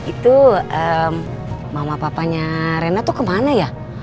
itu mama papanya rena tuh kemana ya